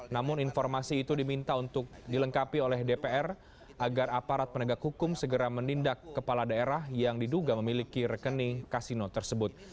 namun informasi itu diminta untuk dilengkapi oleh dpr agar aparat penegak hukum segera menindak kepala daerah yang diduga memiliki rekening kasino tersebut